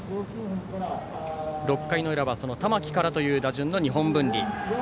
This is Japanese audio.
６回の裏は玉木からという打順の日本文理。